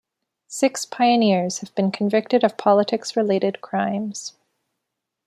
Six Pioneers have been convicted of politics-related crimes.